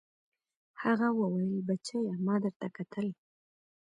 هغه وويل بچيه ما درته کتل.